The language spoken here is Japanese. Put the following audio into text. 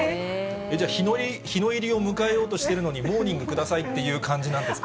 じゃあ、日の入りを迎えようとしているのに、モーニングくださいっていう感じなんですかね。